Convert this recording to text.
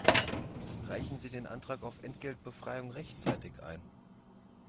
Reichen Sie den Antrag auf Entgeltbefreiung rechtzeitig ein!